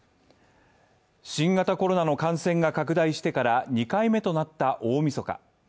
新型コロナの感染が拡大してから２回目となった大みそか。